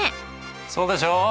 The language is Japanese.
そうでしょう？